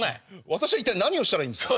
私は一体何をしたらいいんですか？